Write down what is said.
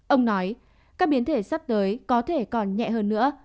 ông nói các biến thể sắp tới có thể còn nhẹ hơn nữa